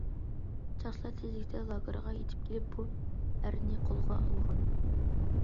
ساقچىلار تېزلىكتە لاگېرغا يېتىپ كېلىپ، بۇ ئەرنى قولغا ئالغان.